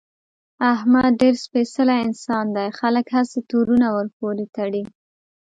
احمد ډېر سپېڅلی انسان دی، خلک هسې تورونه ورپورې تړي.